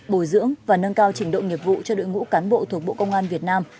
bồi dưỡng và nâng cao trình độ nghiệp vụ cho đội ngũ cán bộ thuộc bộ công an việt nam